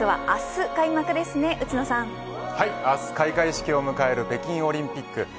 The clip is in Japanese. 明日開会式を迎える北京オリンピック。